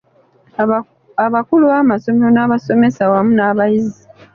Abakulu b’amasomero n’abasomesa wamu n’abayizi